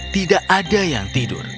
tidak ada yang tidur